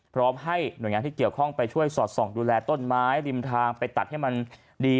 พร้อมให้หน่วยงานที่เกี่ยวข้องไปช่วยสอดส่องดูแลต้นไม้ริมทางไปตัดให้มันดี